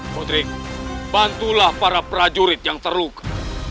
putri bantulah para prajurit yang terluka